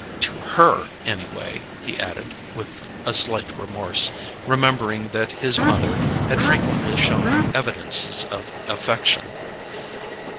"To her, anyway!" he added, with a slight remorse, remembering that his mother had frequently shown him evidences of affection.